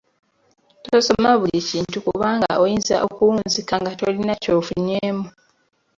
Tosoma buli kintu kubanga oyinza okuwunzika nga tolina ky'ofunyeemu.